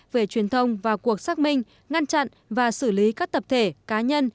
về truyền thông và cuộc xác minh ngăn chặn và xử lý các tập thể cá nhân